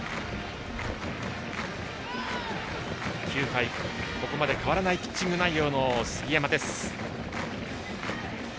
９回、ここまで変わらないピッチング内容の杉山。